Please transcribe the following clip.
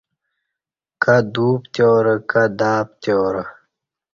کہ دو پتیارہ کہ دا پتیارہ